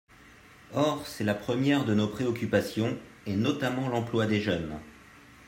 Or c’est la première de nos préoccupations, et notamment l’emploi des jeunes.